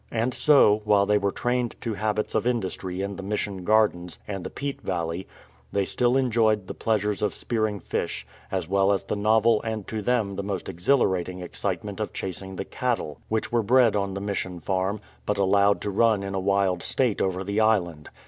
And so, while they were trained to habits of industry in the JVIission gardens and the peat valley, they still enjoyed the pleasures of spearing fish, as well as the novel and to them most exhilarating excite ment of chasing the cattle, which were bred on the Mission farm, but allowed to run in a wild state over the island.